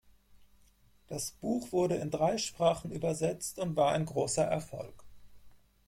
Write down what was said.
Das Buch wurde in drei Sprachen übersetzt und war ein großer Erfolg.